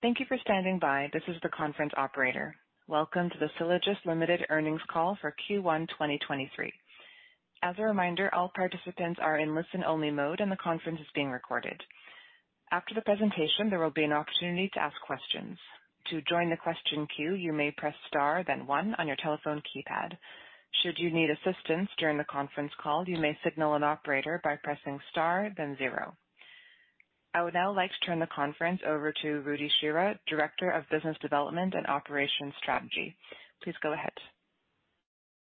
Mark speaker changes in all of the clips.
Speaker 1: Thank you for standing by. This is the conference operator. Welcome to the Sylogist Ltd. earnings call for Q1 2023. As a reminder, all participants are in listen-only mode, and the conference is being recorded. After the presentation, there will be an opportunity to ask questions. To join the question queue, you may press Star then one on your telephone keypad. Should you need assistance during the conference call, you may signal an operator by pressing Star then zero. I would now like to turn the conference over to Rudy Shirra, Director of Business Development and Operations Strategy. Please go ahead.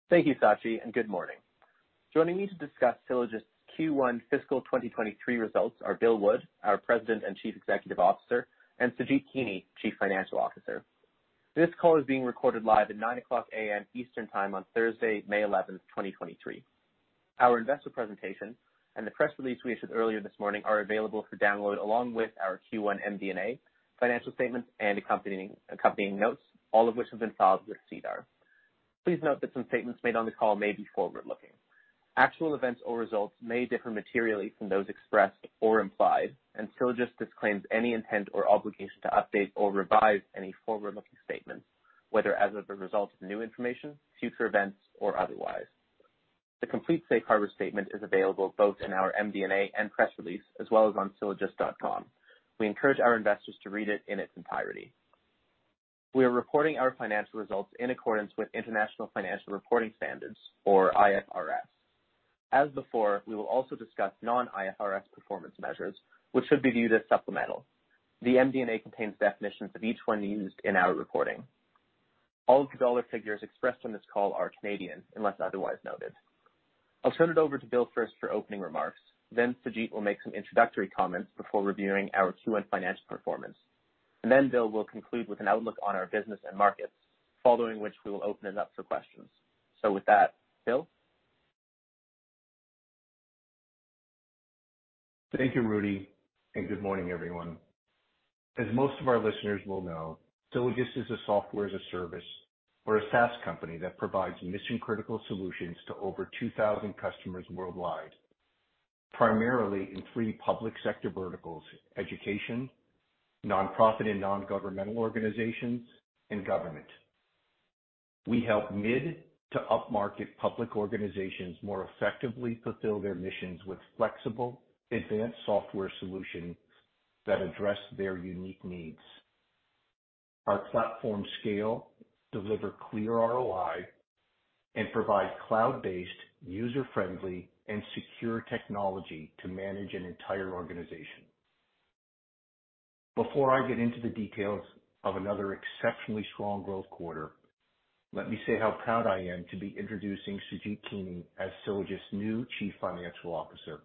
Speaker 2: Thank you, Sachi. Good morning. Joining me to discuss Sylogist's Q1 fiscal 2023 results are Bill Wood, our President and Chief Executive Officer, and Sujeet Kini, Chief Financial Officer. This call is being recorded live at 9:00 A.M. Eastern Time on Thursday, May 11th, 2023. Our investor presentation and the press release we issued earlier this morning are available for download along with our Q1 MD&A financial statements and accompanying notes, all of which have been filed with SEDAR. Please note that some statements made on this call may be forward-looking. Actual events or results may differ materially from those expressed or implied, and Sylogist disclaims any intent or obligation to update or revise any forward-looking statements, whether as of the result of new information, future events, or otherwise. The complete safe harbor statement is available both in our MD&A and press release, as well as on sylogist.com. We encourage our investors to read it in its entirety. We are reporting our financial results in accordance with International Financial Reporting Standards, or IFRS. As before, we will also discuss non-IFRS performance measures, which should be viewed as supplemental. The MD&A contains definitions of each one used in our reporting. All of the dollar figures expressed on this call are Canadian, unless otherwise noted. I'll turn it over to Bill first for opening remarks. Sujeet will make some introductory comments before reviewing our Q1 financial performance. Bill will conclude with an outlook on our business and markets, following which we will open it up for questions. With that, Bill?
Speaker 3: Thank you, Rudy. Good morning, everyone. As most of our listeners will know, Sylogist is a software as a service or a SaaS company that provides mission-critical solutions to over 2,000 customers worldwide, primarily in three public sector verticals: education, nonprofit and nongovernmental organizations, and government. We help mid to upmarket public organizations more effectively fulfill their missions with flexible, advanced software solutions that address their unique needs. Our platform scale deliver clear ROI and provide cloud-based, user-friendly, and secure technology to manage an entire organization. Before I get into the details of another exceptionally strong growth quarter, let me say how proud I am to be introducing Sujeet Kini as Sylogist's new Chief Financial Officer.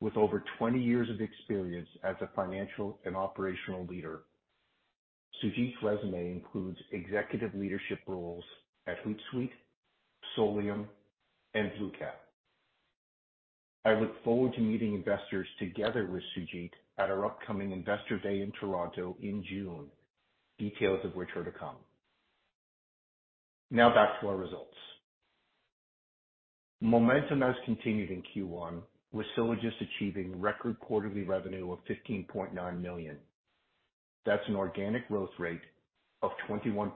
Speaker 3: With over 20 years of experience as a financial and operational leader, Sujeet's resume includes executive leadership roles at Hootsuite, Solium, and BlueCat. I look forward to meeting investors together with Sujeet Kini at our upcoming Investor Day in Toronto in June, details of which are to come. Back to our results. Momentum has continued in Q1, with Sylogist achieving record quarterly revenue of 15.9 million. That's an organic growth rate of 21%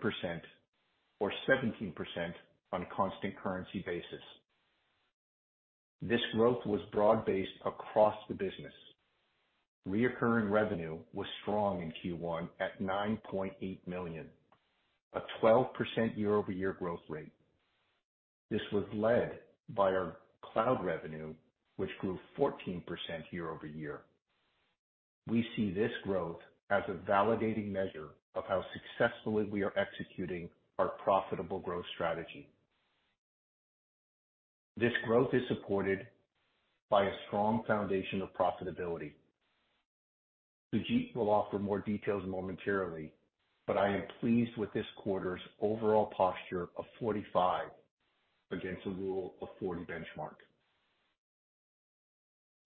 Speaker 3: or 17% on a constant currency basis. This growth was broad-based across the business. Recurring revenue was strong in Q1 at 9.8 million, a 12% year-over-year growth rate. This was led by our cloud revenue, which grew 14% year-over-year. We see this growth as a validating measure of how successfully we are executing our profitable growth strategy. This growth is supported by a strong foundation of profitability. Sujeet Kini will offer more details momentarily, I am pleased with this quarter's overall posture of 45 against a Rule of 40 benchmark.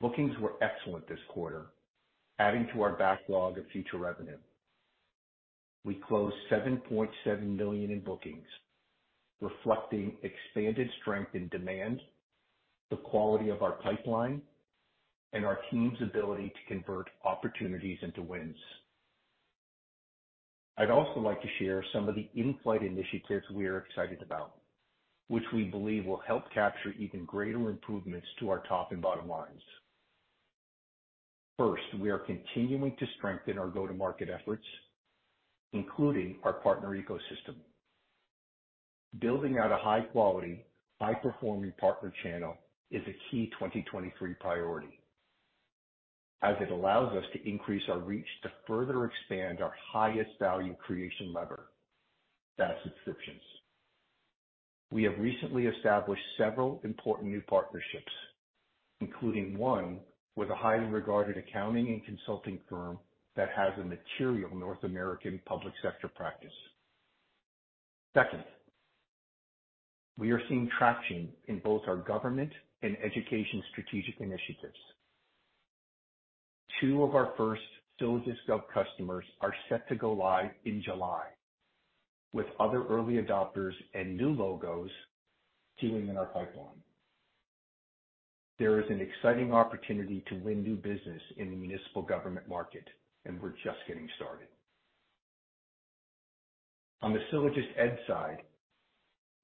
Speaker 3: Bookings were excellent this quarter, adding to our backlog of future revenue. We closed 7.7 million in bookings, reflecting expanded strength in demand, the quality of our pipeline, and our team's ability to convert opportunities into wins. I'd also like to share some of the in-flight initiatives we are excited about, which we believe will help capture even greater improvements to our top and bottom lines. First, we are continuing to strengthen our go-to-market efforts, including our partner ecosystem. Building out a high-quality, high-performing partner channel is a key 2023 priority, as it allows us to increase our reach to further expand our highest value creation lever, that subscriptions. We have recently established several important new partnerships, including one with a highly regarded accounting and consulting firm that has a material North American public sector practice. Second, we are seeing traction in both our government and education strategic initiatives. two of our first SylogistGov customers are set to go live in July, with other early adopters and new logos queuing in our pipeline. There is an exciting opportunity to win new business in the municipal government market, and we're just getting started. On the SylogistEd side,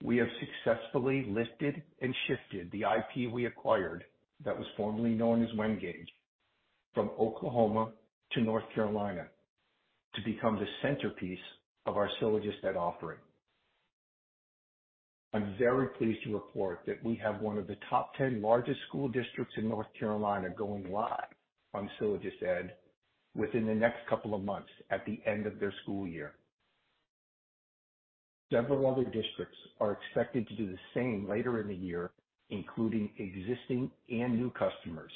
Speaker 3: we have successfully lifted and shifted the IP we acquired that was formerly known as Wen-GAGE from Oklahoma to North Carolina to become the centerpiece of our SylogistEd offering. I'm very pleased to report that we have one of the top 10 largest school districts in North Carolina going live on SylogistEd within the next couple of months at the end of their school year. Several other districts are expected to do the same later in the year, including existing and new customers,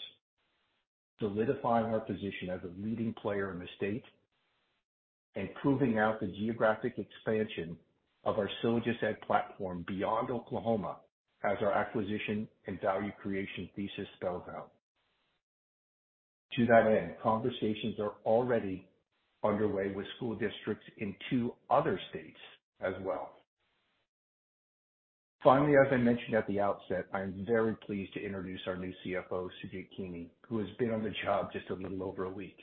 Speaker 3: solidifying our position as a leading player in the state and proving out the geographic expansion of our SylogistEd platform beyond Oklahoma as our acquisition and value creation thesis spells out. To that end, conversations are already underway with school districts in two other states as well. Finally, as I mentioned at the outset, I am very pleased to introduce our new CFO, Sujeet Kini, who has been on the job just a little over a week.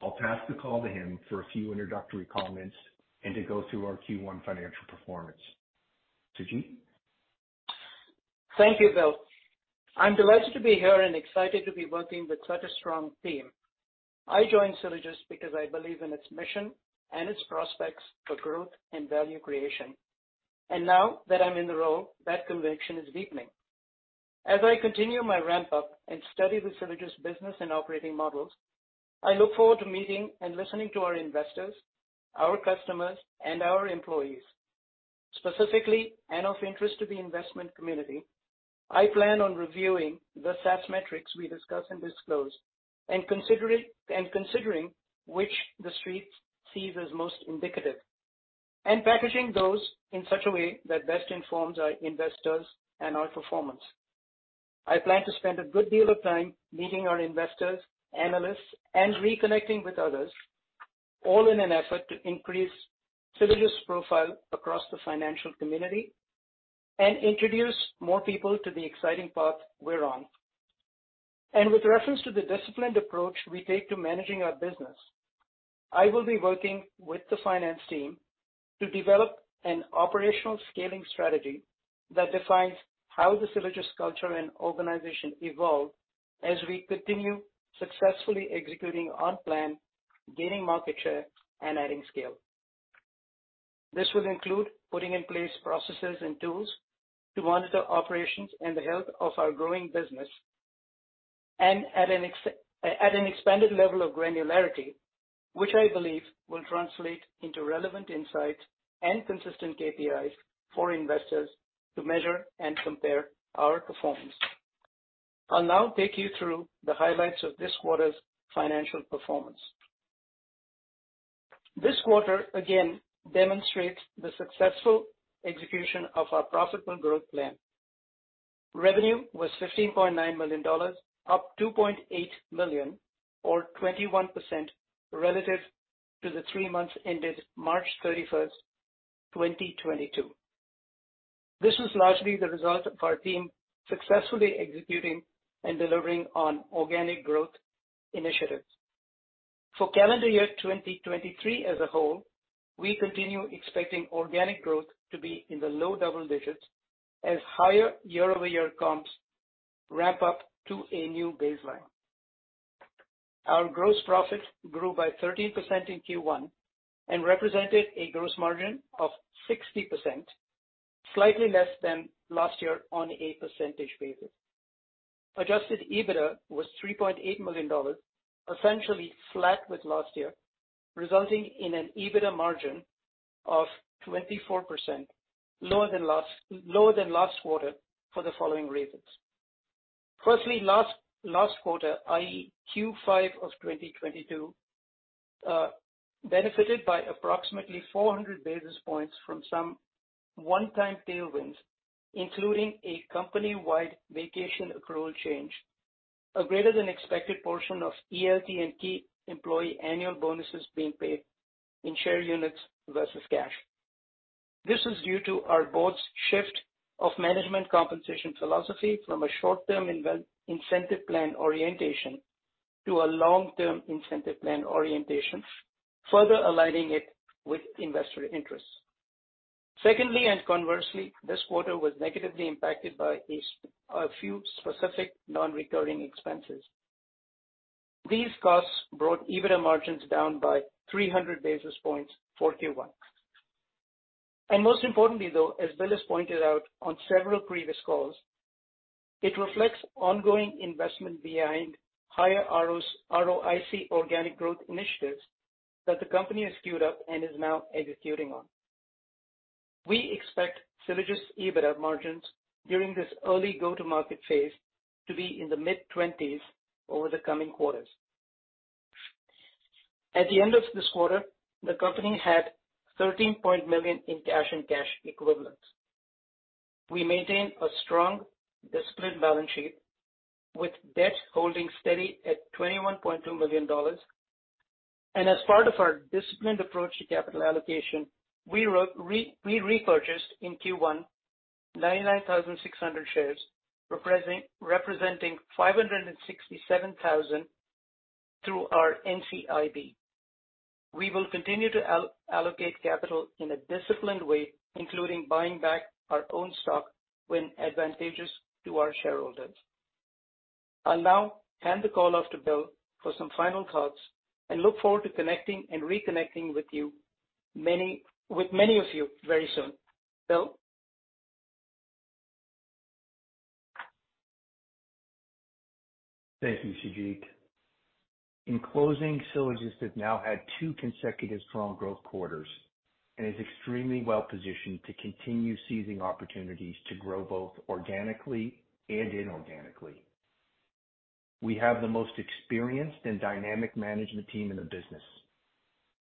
Speaker 3: I'll pass the call to him for a few introductory comments and to go through our Q1 financial performance. Sujeet?
Speaker 4: Thank you, Bill. I'm delighted to be here and excited to be working with such a strong team. I joined Sylogist because I believe in its mission and its prospects for growth and value creation. Now that I'm in the role, that conviction is deepening. As I continue my ramp up and study the Sylogist business and operating models, I look forward to meeting and listening to our investors, our customers, and our employees. Specifically, and of interest to the investment community, I plan on reviewing the SaaS metrics we discuss and disclose and considering which the Street sees as most indicative, and packaging those in such a way that best informs our investors and our performance. I plan to spend a good deal of time meeting our investors, analysts, and reconnecting with others, all in an effort to increase Sylogist' profile across the financial community and introduce more people to the exciting path we're on. With reference to the disciplined approach we take to managing our business, I will be working with the finance team to develop an operational scaling strategy that defines how the Sylogist culture and organization evolve as we continue successfully executing our plan, gaining market share, and adding scale. This will include putting in place processes and tools to monitor operations and the health of our growing business and at an expanded level of granularity, which I believe will translate into relevant insights and consistent KPIs for investors to measure and compare our performance. I'll now take you through the highlights of this quarter's financial performance. This quarter again demonstrates the successful execution of our profitable growth plan. Revenue was 15.9 million dollars, up 2.8 million or 21% relative to the three months ended March 31, 2022. This was largely the result of our team successfully executing and delivering on organic growth initiatives. For calendar year 2023 as a whole, we continue expecting organic growth to be in the low double digits as higher year-over-year comps ramp up to a new baseline. Our gross profit grew by 13% in Q1 and represented a gross margin of 60%, slightly less than last year on a percentage basis. Adjusted EBITDA was 3.8 million dollars, essentially flat with last year, resulting in an EBITDA margin of 24%, lower than last quarter for the following reasons. Firstly, last quarter, i.e. Q5 of 2022, benefited by approximately 400 basis points from some one-time tailwinds, including a company-wide vacation accrual change, a greater than expected portion of ELT and key employee annual bonuses being paid in share units versus cash. This is due to our board's shift of management compensation philosophy from a short-term incentive plan orientation to a long-term incentive plan orientation, further aligning it with investor interests. Secondly, conversely, this quarter was negatively impacted by a few specific non-recurring expenses. These costs brought EBITDA margins down by 300 basis points for Q1. Most importantly, though, as Bill has pointed out on several previous calls, it reflects ongoing investment behind higher ROIC organic growth initiatives that the company has queued up and is now executing on. We expect Sylogist EBITDA margins during this early go-to-market phase to be in the mid-twenties over the coming quarters. At the end of this quarter, the company had 13 million in cash and cash equivalents. We maintain a strong, disciplined balance sheet with debt holding steady at 21.2 million dollars. As part of our disciplined approach to capital allocation, we repurchased in Q1 99,600 shares, representing 567,000 through our NCIB. We will continue to allocate capital in a disciplined way, including buying back our own stock when advantageous to our shareholders. I'll now hand the call off to Bill for some final thoughts and look forward to connecting and reconnecting with many of you very soon. Bill?
Speaker 3: Thank you, Sujeet. In closing, Sylogist has now had two consecutive strong growth quarters and is extremely well-positioned to continue seizing opportunities to grow both organically and inorganically. We have the most experienced and dynamic management team in the business.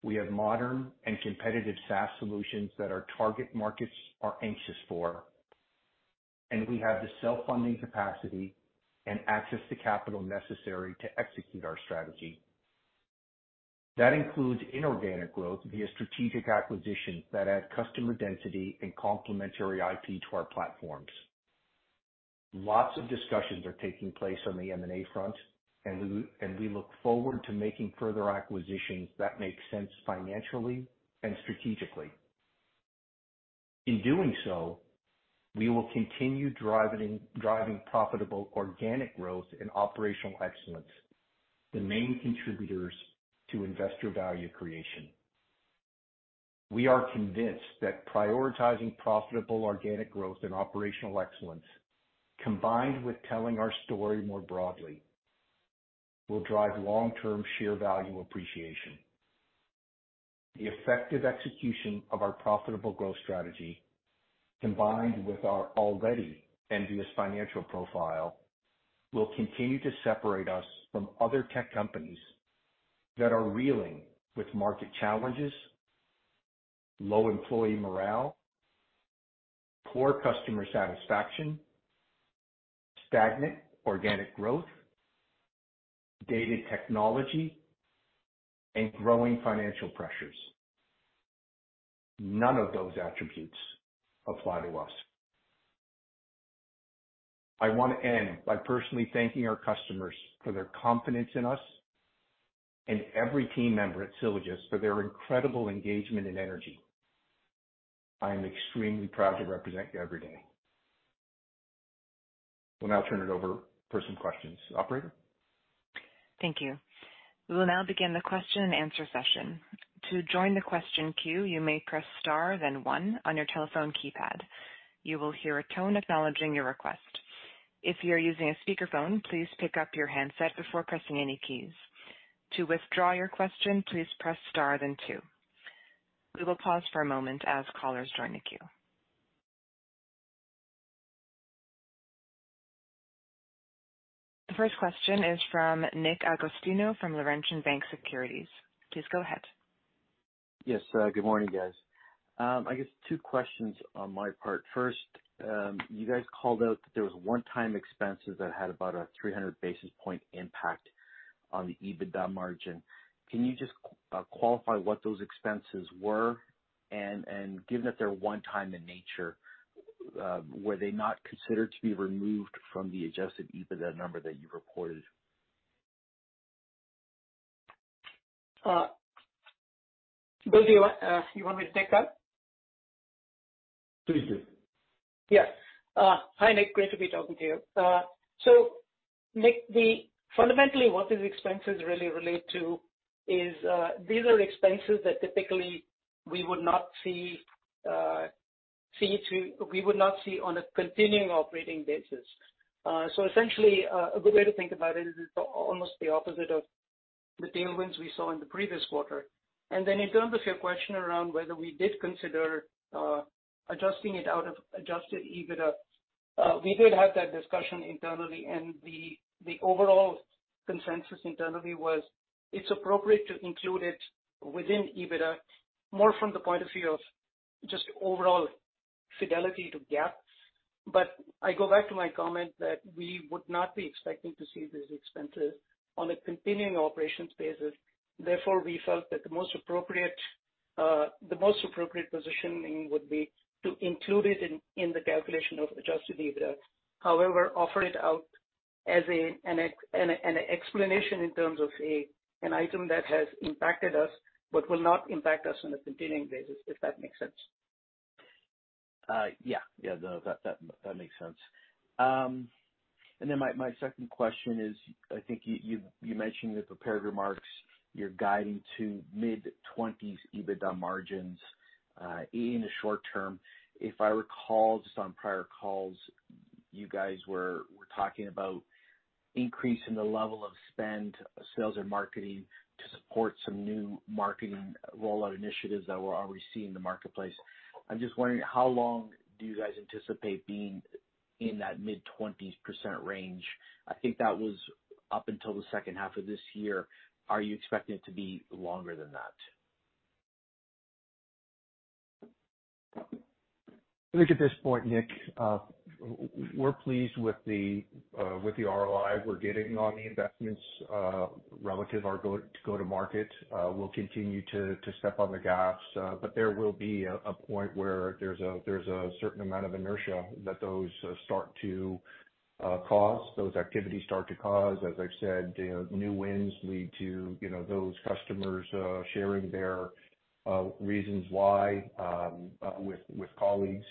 Speaker 3: We have modern and competitive SaaS solutions that our target markets are anxious for, and we have the self-funding capacity and access to capital necessary to execute our strategy. That includes inorganic growth via strategic acquisitions that add customer density and complementary IP to our platforms. Lots of discussions are taking place on the M&A front, and we look forward to making further acquisitions that make sense financially and strategically. In doing so, we will continue driving profitable organic growth and operational excellence, the main contributors to investor value creation. We are convinced that prioritizing profitable organic growth and operational excellence, combined with telling our story more broadly, will drive long-term share value appreciation. The effective execution of our profitable growth strategy, combined with our already envious financial profile, will continue to separate us from other tech companies that are reeling with market challenges, low employee morale, poor customer satisfaction, stagnant organic growth, dated technology, and growing financial pressures. None of those attributes apply to us. I want to end by personally thanking our customers for their confidence in us and every team member at Sylogist for their incredible engagement and energy. I am extremely proud to represent you every day. We'll now turn it over for some questions. Operator?
Speaker 1: Thank you. We will now begin the question-and-answer session. To join the question queue, you may press star then one on your telephone keypad. You will hear a tone acknowledging your request. If you're using a speakerphone, please pick up your handset before pressing any keys. To withdraw your question, please press star then two. We will pause for a moment as callers join the queue. The first question is from Nick Agostino from Laurentian Bank Securities. Please go ahead.
Speaker 5: Yes. good morning, guys. I guess two questions on my part. First, you guys called out that there was one-time expenses that had about a 300 basis point impact on the EBITDA margin. Can you just qualify what those expenses were? Given that they're one time in nature, were they not considered to be removed from the adjusted EBITDA number that you reported?
Speaker 4: Bill, do you want, you want me to take that?
Speaker 3: Please do.
Speaker 4: Yeah. Hi, Nick. Great to be talking to you. Nick, fundamentally, what these expenses really relate to is, these are expenses that typically we would not see, we would not see on a continuing operating basis. Essentially, a good way to think about it is it's almost the opposite of the tailwinds we saw in the previous quarter. In terms of your question around whether we did consider, adjusting it out of adjusted EBITDA, we did have that discussion internally. The overall consensus internally was it's appropriate to include it within EBITDA, more from the point of view of just overall fidelity to GAAP. I go back to my comment that we would not be expecting to see these expenses on a continuing operations basis. We felt that the most appropriate, the most appropriate positioning would be to include it in the calculation of adjusted EBITDA. Offer it out as an explanation in terms of an item that has impacted us but will not impact us on a continuing basis, if that makes sense.
Speaker 5: Yeah. Yeah, no, that makes sense. My second question is, I think you mentioned in the prepared remarks you're guiding to mid-20s EBITDA margins in the short term. If I recall, just on prior calls, you guys were talking about increasing the level of spend, sales and marketing to support some new marketing rollout initiatives that we're already seeing in the marketplace. I'm just wondering how long do you guys anticipate being in that mid-20s percent range? I think that was up until the second half of this year. Are you expecting it to be longer than that?
Speaker 3: I think at this point, Nick, we're pleased with the ROI we're getting on the investments, relative our to go to market. We'll continue to step on the gas, but there will be a point where there's a certain amount of inertia that those start to cause, those activities start to cause. As I've said, you know, new wins lead to, you know, those customers sharing their reasons why with colleagues.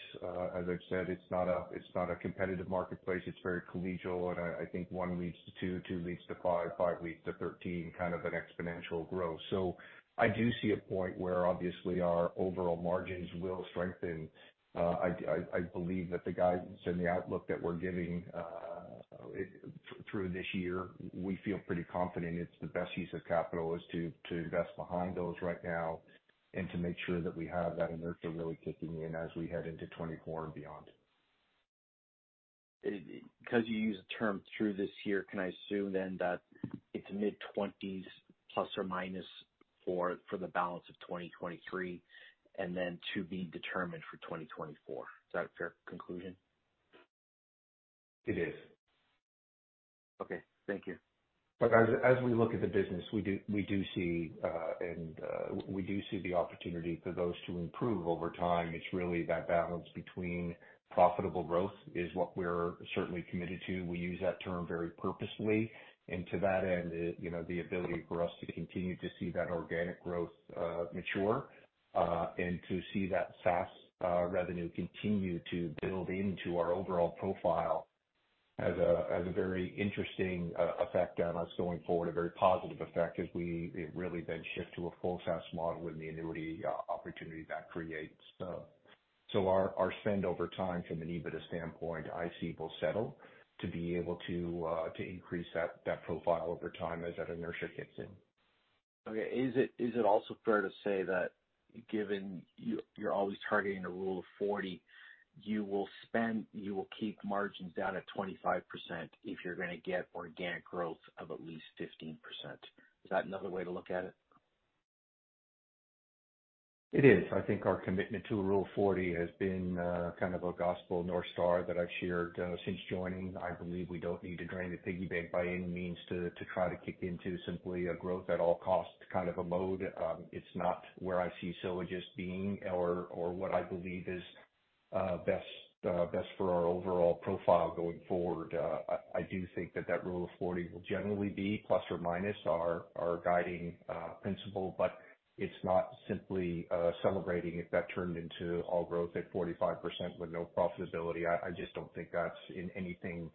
Speaker 3: As I've said, it's not a competitive marketplace. It's very collegial, and I think one leads to two leads to five leads to 13, kind of an exponential growth. I do see a point where obviously our overall margins will strengthen. I believe that the guidance and the outlook that we're giving through this year, we feel pretty confident it's the best use of capital is to invest behind those right now and to make sure that we have that inertia really kicking in as we head into 2024 and beyond.
Speaker 5: Because you use the term through this year, can I assume then that it's mid-20s ± for the balance of 2023 and then to be determined for 2024? Is that a fair conclusion?
Speaker 3: It is.
Speaker 5: Okay. Thank you.
Speaker 3: As we look at the business, we do see, and we do see the opportunity for those to improve over time. It's really that balance between profitable growth is what we're certainly committed to. We use that term very purposefully. To that end, you know, the ability for us to continue to see that organic growth mature, and to see that SaaS revenue continue to build into our overall profile has a very interesting effect on us going forward, a very positive effect as we really then shift to a full SaaS model and the annuity opportunity that creates. Our spend over time from an EBITDA standpoint, I see will settle to be able to increase that profile over time as that inertia kicks in.
Speaker 5: Okay. Is it also fair to say that given you're always targeting a Rule of 40, you will keep margins down at 25% if you're gonna get organic growth of at least 15%? Is that another way to look at it?
Speaker 3: It is. I think our commitment to Rule of 40 has been kind of a gospel North Star that I've shared since joining. I believe we don't need to drain the piggy bank by any means to try to kick into simply a growth at all costs kind of a mode. It's not where I see Sylogist being or what I believe is best for our overall profile going forward. I do think that Rule of 40 will generally be plus or minus our guiding principle, but it's not simply celebrating if that turned into all growth at 45% with no profitability. I just don't think that's in anything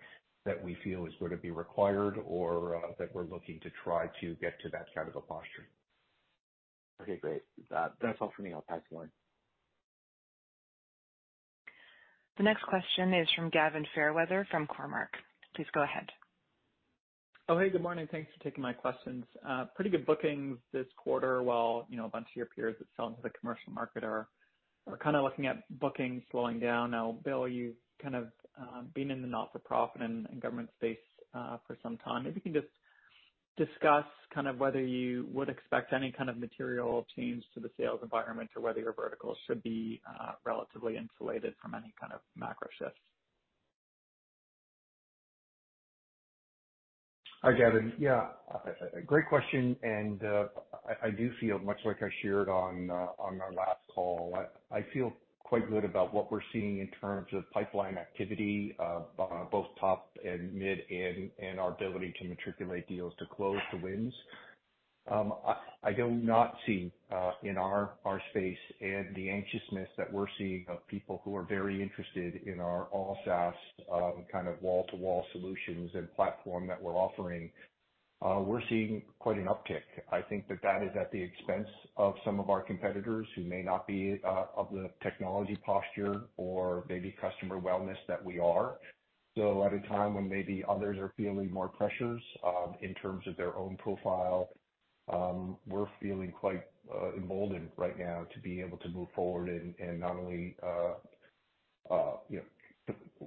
Speaker 3: that we feel is going to be required or that we're looking to try to get to that kind of a posture.
Speaker 5: Okay, great. That's all for me. I'll pass the line.
Speaker 1: The next question is from Gavin Fairweather from Cormark. Please go ahead.
Speaker 6: Oh, hey, good morning. Thanks for taking my questions. Pretty good bookings this quarter, while, you know, a bunch of your peers that sell into the commercial market are kind of looking at bookings slowing down. Bill, you've kind of been in the not-for-profit and government space for some time. Maybe you can just discuss kind of whether you would expect any kind of material change to the sales environment or whether your verticals should be relatively insulated from any kind of macro shifts.
Speaker 3: Hi, Gavin. Yeah, great question. I do feel much like I shared on our last call. I feel quite good about what we're seeing in terms of pipeline activity, both top and mid, and our ability to matriculate deals to close the wins. I do not see in our space and the anxiousness that we're seeing of people who are very interested in our all SaaS, kind of wall-to-wall solutions and platform that we're offering. We're seeing quite an uptick. I think that is at the expense of some of our competitors who may not be of the technology posture or maybe customer wellness that we are. At a time when maybe others are feeling more pressures, in terms of their own profile, we're feeling quite emboldened right now to be able to move forward and, not only, you know,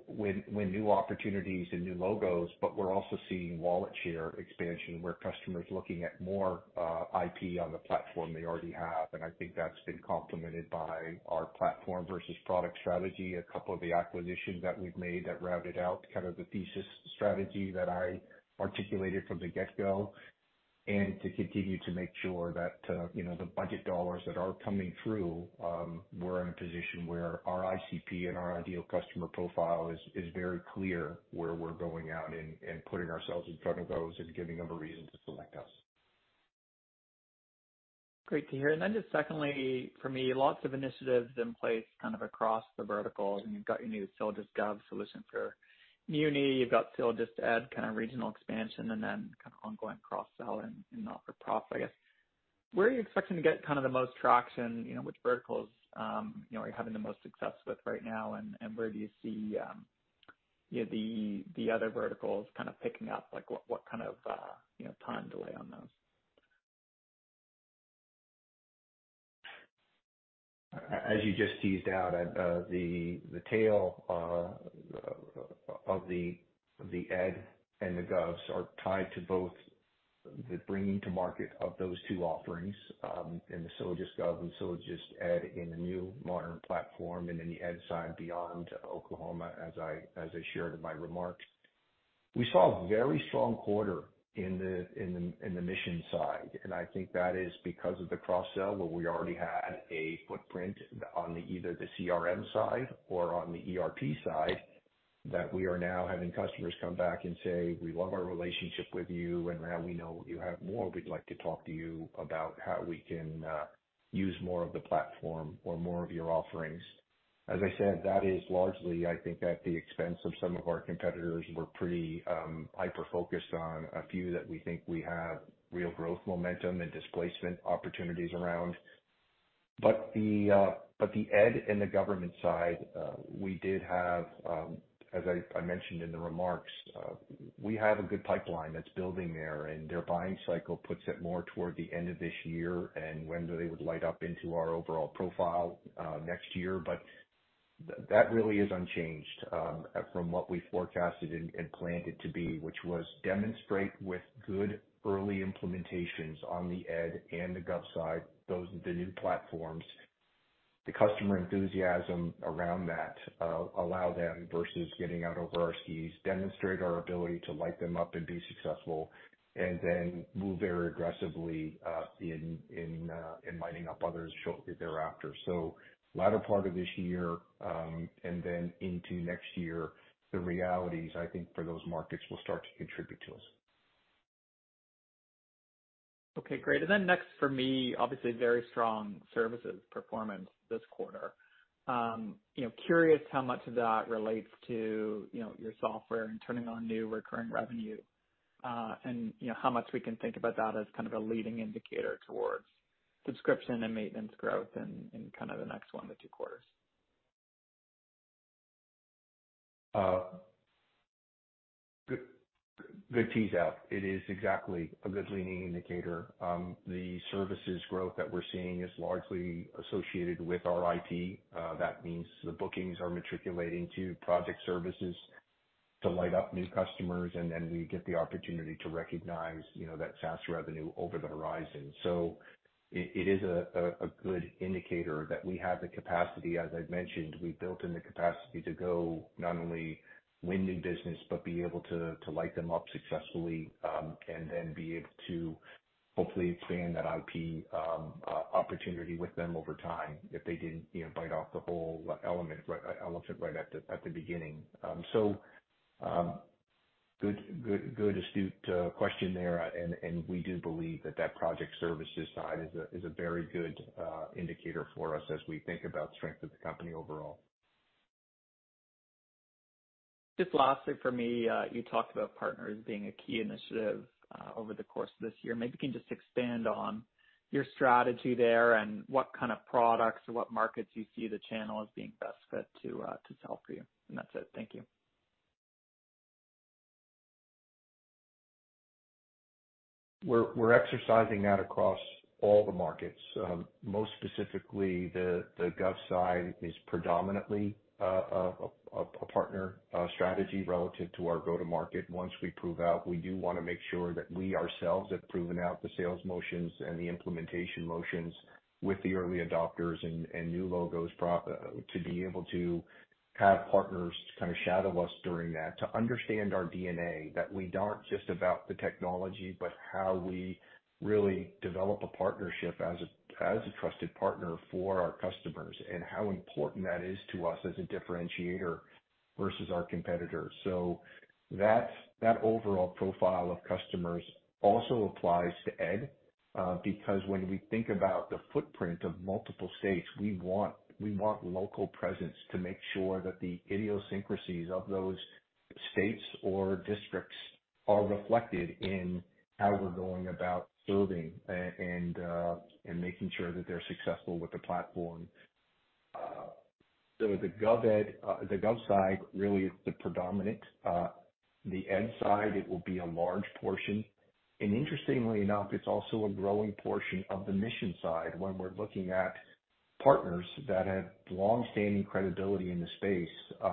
Speaker 3: win new opportunities and new logos, but we're also seeing wallet share expansion, where customers looking at more, IP on the platform they already have. I think that's been complemented by our platform versus product strategy, a couple of the acquisitions that we've made that rounded out kind of the thesis strategy that I articulated from the get-go. To continue to make sure that, you know, the budget dollars that are coming through, we're in a position where our ICP and our ideal customer profile is very clear where we're going out and putting ourselves in front of those and giving them a reason to select us.
Speaker 6: Great to hear. Just secondly, for me, lots of initiatives in place kind of across the verticals, you’ve got your new SylogistGov solution for muni, you’ve got SylogistEd, kind of regional expansion, and then kind of ongoing cross-sell and in not-for-profit, I guess. Where are you expecting to get kind of the most traction, you know, which verticals, you know, are you having the most success with right now, and where do you see, you know, the other verticals kind of picking up? Like, what kind of, you know, time delay on those?
Speaker 3: As you just teased out at the tail of the Ed and the Gov's are tied to both the bringing to market of those two offerings in the SylogistGov and SylogistEd in the new modern platform and in the ed side beyond Oklahoma as I shared in my remarks. We saw a very strong quarter in the mission side, I think that is because of the cross sell where we already had a footprint on either the CRM side or on the ERP side, that we are now having customers come back and say, "We love our relationship with you, and now we know you have more. We'd like to talk to you about how we can use more of the platform or more of your offerings." As I said, that is largely, I think, at the expense of some of our competitors. We're pretty hyper-focused on a few that we think we have real growth momentum and displacement opportunities around. The Ed and the Gov side, we did have, as I mentioned in the remarks, we have a good pipeline that's building there, and their buying cycle puts it more toward the end of this year and when they would light up into our overall profile next year. That really is unchanged from what we forecasted and planned it to be, which was demonstrate with good early implementations on the Ed and the Gov side, those, the new platforms. The customer enthusiasm around that, allow them versus getting out over our skis, demonstrate our ability to light them up and be successful, and then move very aggressively, in lighting up others shortly thereafter. Latter part of this year, and then into next year, the realities, I think, for those markets will start to contribute to us.
Speaker 6: Okay, great. Next for me, obviously very strong services performance this quarter. You know, curious how much of that relates to, you know, your software and turning on new recurring revenue, and, you know, how much we can think about that as kind of a leading indicator towards subscription and maintenance growth in kind of the next one to two quarters?
Speaker 3: Good tease out. It is exactly a good leading indicator. The services growth that we're seeing is largely associated with our IT. That means the bookings are matriculating to project services to light up new customers, and then we get the opportunity to recognize, you know, that SaaS revenue over the horizon. It is a good indicator that we have the capacity, as I've mentioned, we've built in the capacity to go not only win new business, but be able to light them up successfully, and then be able to hopefully expand that IP opportunity with them over time if they didn't, you know, bite off the whole element relative right at the beginning. Good astute question there, and we do believe that that project services side is a very good indicator for us as we think about strength of the company overall.
Speaker 6: Just lastly for me, you talked about partners being a key initiative, over the course of this year. Maybe you can just expand on your strategy there and what kind of products or what markets you see the channel as being best fit to sell for you. That's it. Thank you.
Speaker 3: We're exercising that across all the markets. Most specifically, the Gov side is predominantly a partner strategy relative to our go-to-market. Once we prove out, we do wanna make sure that we ourselves have proven out the sales motions and the implementation motions with the early adopters and new logos to be able to have partners to kind of shadow us during that, to understand our DNA, that we aren't just about the technology, but how we really develop a partnership as a trusted partner for our customers, and how important that is to us as a differentiator versus our competitors. That's that overall profile of customers also applies to Ed because when we think about the footprint of multiple states, we want local presence to make sure that the idiosyncrasies of those states or districts are reflected in how we're going about building and making sure that they're successful with the platform. The Gov Ed, the Gov side really is the predominant. The Ed side, it will be a large portion. Interestingly enough, it's also a growing portion of the mission side when we're looking at partners that have longstanding credibility in the space,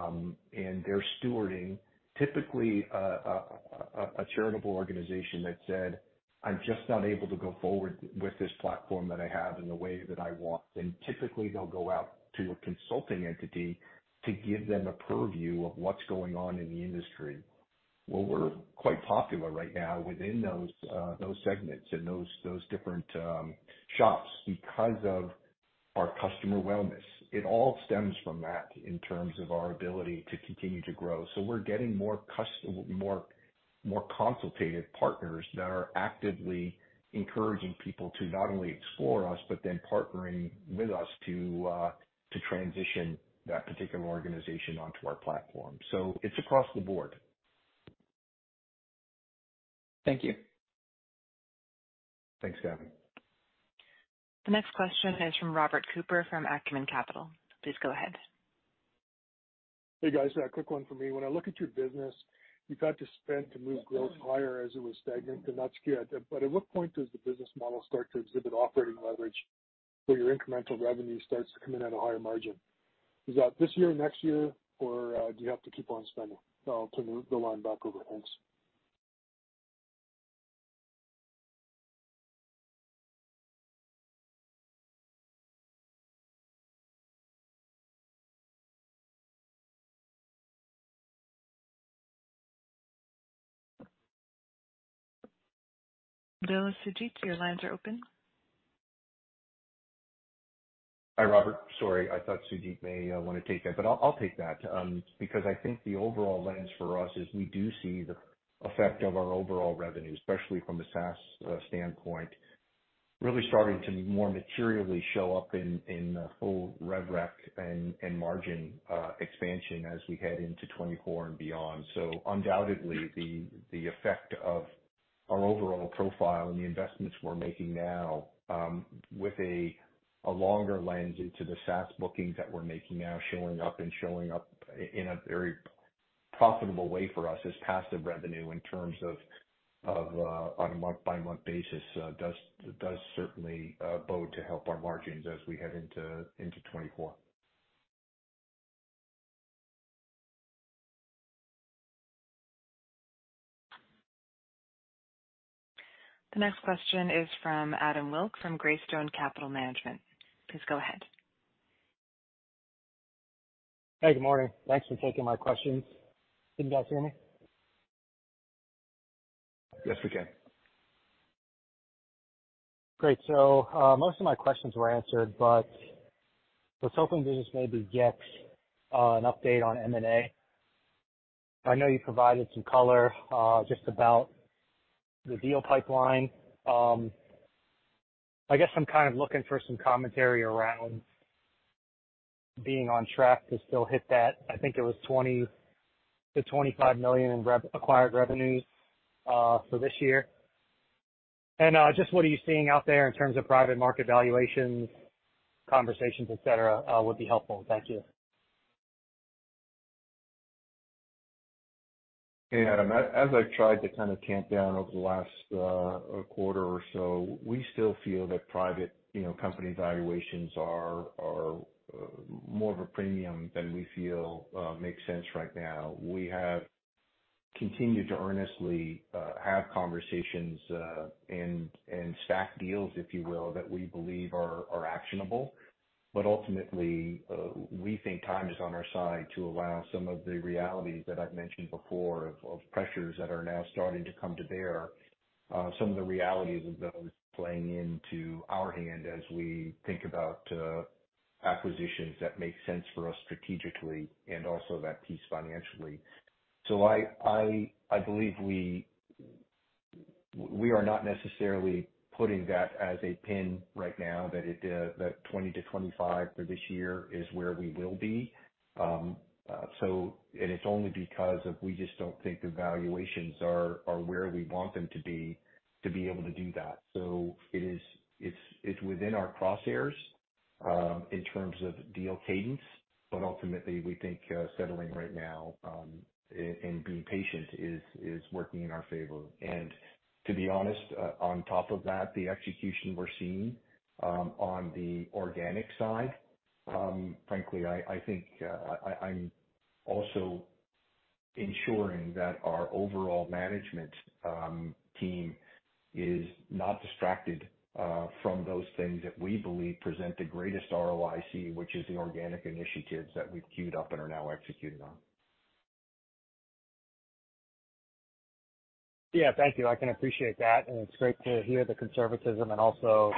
Speaker 3: and they're stewarding typically a charitable organization that said, "I'm just not able to go forward with this platform that I have in the way that I want." Typically, they'll go out to a consulting entity to give them a purview of what's going on in the industry. We're quite popular right now within those segments and those different shops because of our customer wellness. It all stems from that in terms of our ability to continue to grow. We're getting more consultative partners that are actively encouraging people to not only explore us, but then partnering with us to transition that particular organization onto our platform. It's across the board.
Speaker 6: Thank you.
Speaker 3: Thanks, Gavin.
Speaker 1: The next question is from Robert Cooper from Acumen Capital. Please go ahead.
Speaker 7: Hey, guys. A quick one from me. When I look at your business, you've had to spend to move growth higher as it was stagnant and that's key. At what point does the business model start to exhibit operating leverage?
Speaker 3: Your incremental revenue starts to come in at a higher margin. Is that this year, next year, or do you have to keep on spending? I'll turn the line back over. Thanks.
Speaker 1: Bill, Sujeet, your lines are open.
Speaker 3: Hi, Robert. Sorry, I thought Sujeet may wanna take that, but I'll take that because I think the overall lens for us is we do see the effect of our overall revenue, especially from a SaaS standpoint, really starting to more materially show up in the full rev rec and margin expansion as we head into 2024 and beyond. Undoubtedly the effect of our overall profile and the investments we're making now with a longer lens into the SaaS bookings that we're making now showing up and showing up in a very profitable way for us is passive revenue in terms of on a month-by-month basis does certainly bode to help our margins as we head into 2024.
Speaker 1: The next question is from Adam Wilk from Graystone Capital Management. Please go ahead.
Speaker 8: Hey, good morning. Thanks for taking my questions. Can you guys hear me?
Speaker 3: Yes, we can.
Speaker 8: Great. Most of my questions were answered, but was hoping to just maybe get an update on M&A. I know you provided some color just about the deal pipeline. I guess I'm kind of looking for some commentary around being on track to still hit that, I think it was 20 million-25 million in acquired revenues for this year. Just what are you seeing out there in terms of private market valuations, conversations, et cetera, would be helpful. Thank you.
Speaker 3: Hey, Adam. As I've tried to kind of camp down over the last quarter or so, we still feel that private, you know, company valuations are more of a premium than we feel makes sense right now. We have continued to earnestly have conversations and stack deals, if you will, that we believe are actionable. Ultimately, we think time is on our side to allow some of the realities that I've mentioned before of pressures that are now starting to come to bear, some of the realities of those playing into our hand as we think about acquisitions that make sense for us strategically and also that piece financially. I believe we are not necessarily putting that as a pin right now, that it, that 20%-25% for this year is where we will be. It's only because of we just don't think the valuations are where we want them to be to be able to do that. It's within our crosshairs, in terms of deal cadence, but ultimately we think, settling right now, and being patient is working in our favor. To be honest, on top of that, the execution we're seeing, on the organic side, frankly, I think, I'm also ensuring that our overall management team is not distracted from those things that we believe present the greatest ROIC, which is the organic initiatives that we've queued up and are now executing on.
Speaker 8: Yeah. Thank you. I can appreciate that. It's great to hear the conservatism and also,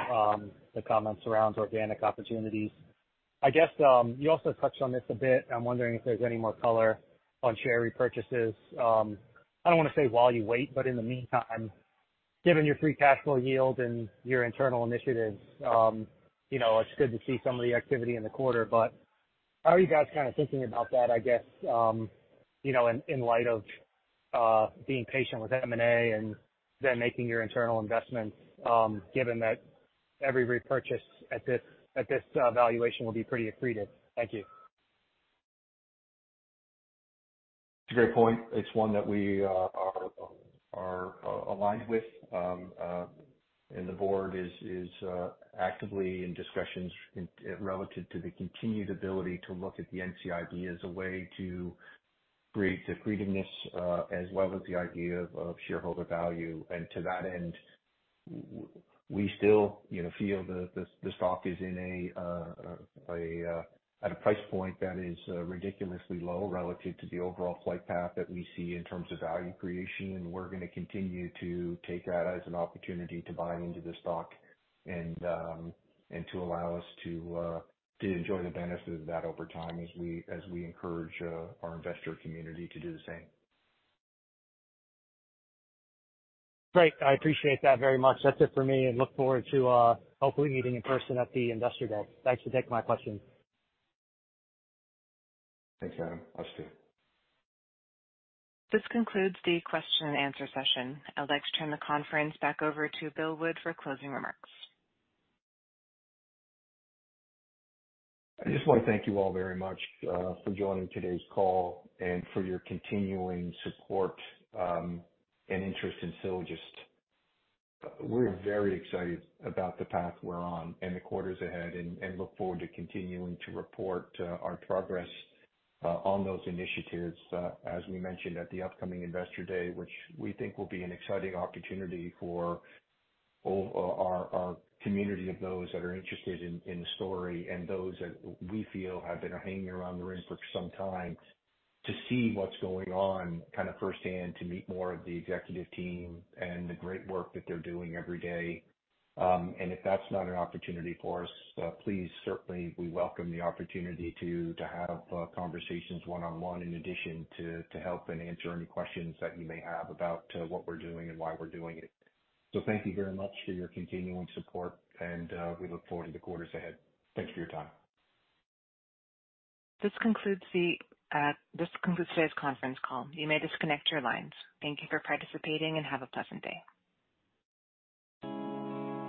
Speaker 8: the comments around organic opportunities. I guess, you also touched on this a bit. I'm wondering if there's any more color on share repurchases. I don't wanna say while you wait, but in the meantime, given your free cash flow yield and your internal initiatives, you know, it's good to see some of the activity in the quarter. How are you guys kinda thinking about that, I guess, you know, in light of, being patient with M&A and then making your internal investments, given that every repurchase at this valuation will be pretty accretive? Thank you.
Speaker 3: It's a great point. It's one that we are aligned with. The board is actively in discussions relative to the continued ability to look at the NCIB as a way to create accretiveness as well as the idea of shareholder value. To that end, we still, you know, feel the stock is in a at a price point that is ridiculously low relative to the overall flight path that we see in terms of value creation. We're gonna continue to take that as an opportunity to buy into the stock and to allow us to enjoy the benefits of that over time as we encourage our investor community to do the same.
Speaker 8: Great. I appreciate that very much. That's it for me. Look forward to hopefully meeting in person at the Investor Day. Thanks for taking my question.
Speaker 3: Thanks, Adam. Us too.
Speaker 1: This concludes the question and answer session. I'd like to turn the conference back over to Bill Wood for closing remarks.
Speaker 3: I just wanna thank you all very much for joining today's call and for your continuing support and interest in Sylogist. We're very excited about the path we're on and the quarters ahead, and look forward to continuing to report our progress on those initiatives as we mentioned at the upcoming Investor Day, which we think will be an exciting opportunity for our community of those that are interested in the story and those that we feel have been hanging around the ring for some time to see what's going on kinda firsthand, to meet more of the executive team and the great work that they're doing every day. If that's not an opportunity for us, please, certainly we welcome the opportunity to have conversations one-on-one in addition to help and answer any questions that you may have about, what we're doing and why we're doing it. Thank you very much for your continuing support, and we look forward to the quarters ahead. Thanks for your time.
Speaker 1: This concludes today's conference call. You may disconnect your lines. Thank you for participating. Have a pleasant day.